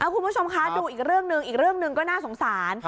คุณผู้ชมคะดูอีกเรื่องหนึ่งอีกเรื่องหนึ่งก็น่าสงสาร